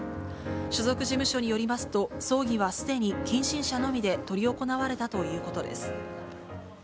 所属事務所によりますと、葬儀はすでに近親者のみで執り行われたということです。